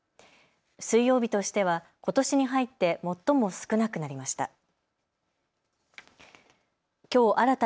水曜日としては、ことしに入って最も少なくなりました。